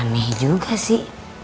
aneh juga sih